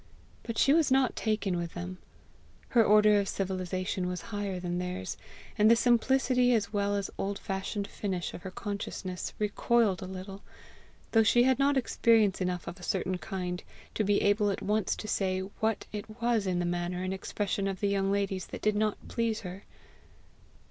But she was not taken with them. Her order of civilization was higher than theirs; and the simplicity as well as old fashioned finish of her consciousness recoiled a little though she had not experience enough of a certain kind to be able at once to say what it was in the manner and expression of the young ladies that did not please her.